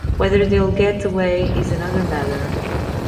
Whether they'll get away is another matter.